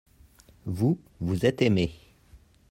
vous, vous êtes aimé.